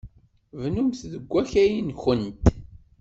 Bnumt deg wakal-nwent.